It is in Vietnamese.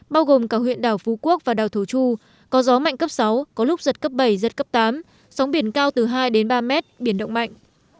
bao gồm cả huyện đảo phú quốc và đảo thổ chu có gió mạnh cấp sáu có lúc giật cấp bảy giật cấp tám sóng biển cao từ hai đến ba mét biển động mạnh